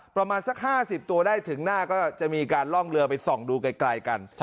ประมาณสัก๕๐ตัวได้ถึงหน้าก็จะมีการล่องเรือไปส่องดูไกลกัน